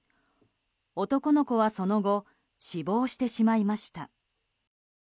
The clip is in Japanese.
男の子はその後、死亡してしまいました。